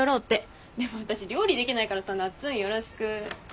でも私料理できないからさなっつんよろしく。